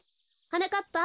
はなかっぱ。